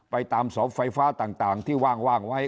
ไปตามเสาไฟฟ้าต่างที่ว่างไว้